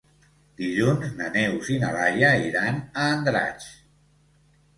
Dilluns na Neus i na Laia iran a Andratx.